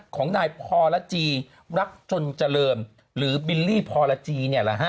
ของนายพอลาจีรักชนเจริมหรือบิลลี่พอลาจี